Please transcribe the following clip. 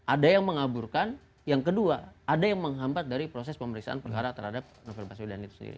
ada yang mengaburkan yang kedua ada yang menghambat dari proses pemeriksaan perkara terhadap novel baswedan itu sendiri